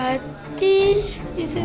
nggak nggak kena